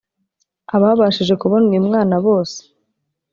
Ababashije kubona uyu mwana bose